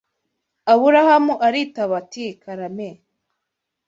Aburahamu aritaba ati karame!